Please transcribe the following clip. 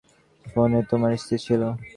ফোনে তোমার স্ত্রী ছিল?